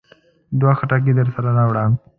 دوه خټکي درسره راوړه.